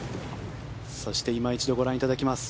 そしていま一度ご覧いただきます。